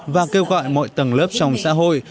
và kêu gọi mọi tầng lớp trong xã hội